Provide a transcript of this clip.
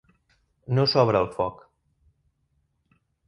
No sobre el foc.